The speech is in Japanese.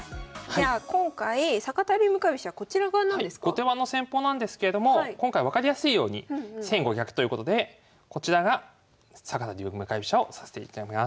後手番の戦法なんですけれども今回分かりやすいように先後逆ということでこちらが坂田流向かい飛車を指していきたいと思います。